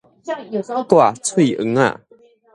掛喙掩仔